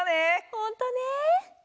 ほんとね。